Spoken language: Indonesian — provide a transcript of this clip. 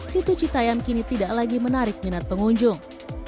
situ citayam kini tidak lagi menarik minat pengunjung